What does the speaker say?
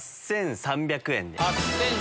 ８３００円で。